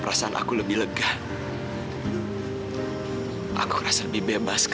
ter respected yemang untuk mimpi sri india sampai gaat beltar